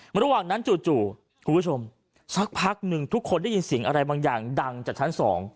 ระหว่างนั้นจู่คุณผู้ชมสักพักหนึ่งทุกคนได้ยินเสียงอะไรบางอย่างดังจากชั้น๒